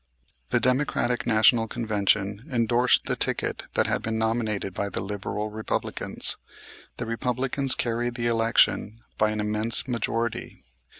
The Democratic National Convention endorsed the ticket that had been nominated by the Liberal Republicans. The Republicans carried the election by an immense majority.